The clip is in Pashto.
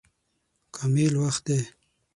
کامل وخت دی.